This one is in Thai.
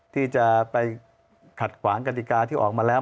ที่จะไปขัดขวางกฎิกาที่ออกมาแล้ว